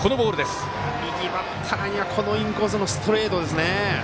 右バッターにはインコースのストレート